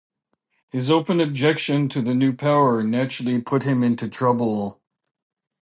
His open objection to the new power naturally put him into trouble.